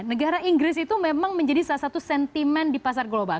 negara inggris itu memang menjadi salah satu sentimen di pasar global